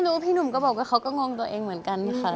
พี่หนุ่มก็บอกว่าเขาก็งงตัวเองเหมือนกันค่ะ